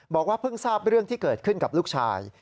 บอกว่าเพิ่งทราบเรื่องที่เกิดขึ้นกับลูกชาย